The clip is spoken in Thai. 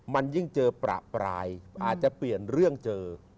มันยิ่งเจอประปรายอาจจะเปลี่ยนเรื่องเจอ